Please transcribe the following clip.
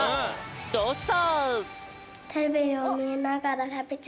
どうぞ！